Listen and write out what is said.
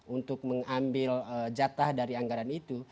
untuk mengambil jatah dari anggaran itu